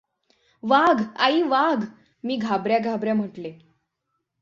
"वाघ! आई! वाघ!" मी घाबऱ्या घाबऱ्या म्हटले.